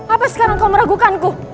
apa sekarang kau meragukan ku